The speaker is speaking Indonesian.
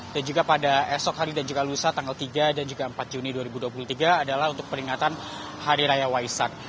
dan juga pada esok hari dan juga lusa tanggal tiga dan juga empat juni dua ribu dua puluh tiga adalah untuk peringatan hari raya waisan